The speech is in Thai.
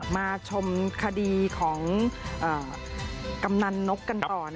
มาชมคดีของกำนันนกกันต่อ